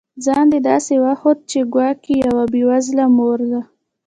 ځان یې داسي وښود چي ګواکي یوه بې وزله مور ده